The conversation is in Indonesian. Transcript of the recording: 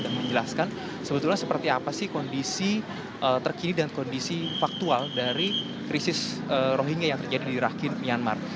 dan menjelaskan sebetulnya seperti apa sih kondisi terkini dan kondisi faktual dari krisis rohingya yang terjadi di rakhine myanmar